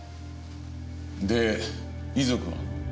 で遺族は？